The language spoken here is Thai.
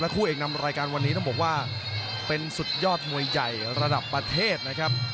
คู่เอกนำรายการวันนี้ต้องบอกว่าเป็นสุดยอดมวยใหญ่ระดับประเทศนะครับ